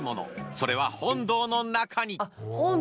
それは本堂の中に。